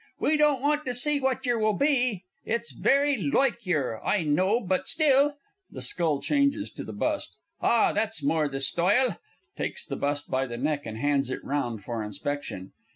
We don't want to see what yer will be it's very loike yer, I know but still (the skull changes to the Bust.) Ah, that's more the stoyle! (_Takes the Bust by the neck and hands it round for inspection.